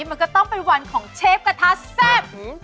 มันก็ต้องเป็นวันของเชฟกระทะแซ่บ